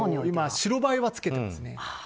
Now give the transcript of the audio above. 今、白バイはつけてますね。